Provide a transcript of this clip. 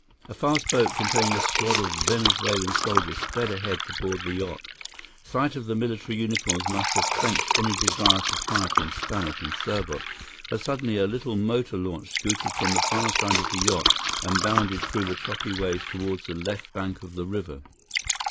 A fast boat containing a squad of Venezuelan soldiers sped ahead to board the yacht. Sight of the military uniforms must have quenched any desire for fight in Stannart and Serbot, for suddenly a little motor launch scooted from the far side of the yacht and bounded through the choppy waves toward the left bank of the river.